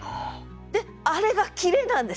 であれが切れなんです。